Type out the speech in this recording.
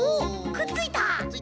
くっついた！